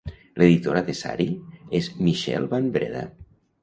L'editora de "Sarie" és Michelle van Breda.